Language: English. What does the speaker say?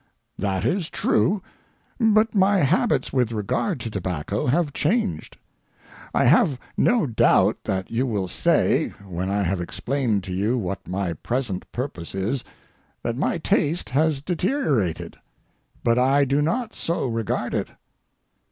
That is true, but my habits with regard to tobacco have changed. I have no doubt that you will say, when I have explained to you what my present purpose is, that my taste has deteriorated, but I do not so regard it.